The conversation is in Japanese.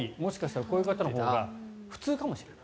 こういう方のほうが普通かもしれない。